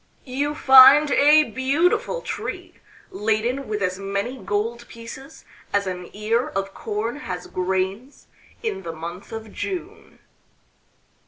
You find a beautiful tree laden with as many gold pieces as an ear of corn has grains in the month of June."